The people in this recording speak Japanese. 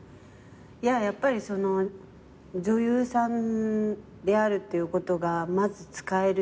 やっぱりその女優さんであるっていうことがまず使える歌。